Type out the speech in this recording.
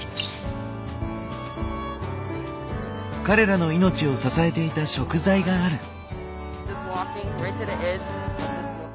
彼らの命を支えていた食材がある。